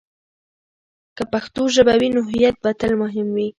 که پښتو ژبه وي، نو هویت به تل مهم وي.